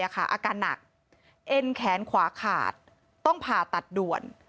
อาการหนักเอ็นแขนขวาขาดต้องผ่าตัดด่วน